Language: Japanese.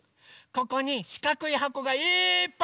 ここにしかくいはこがいっぱいありますね。